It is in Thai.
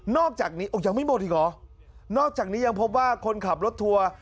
อกจากนี้ยังไม่หมดอีกเหรอนอกจากนี้ยังพบว่าคนขับรถทัวร์